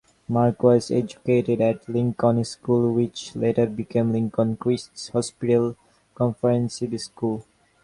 Mark was educated at Lincoln School which later became Lincoln Christ's Hospital Comprehensive School.